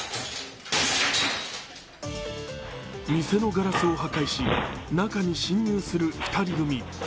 店のガラスを破壊し、中に侵入する２人組。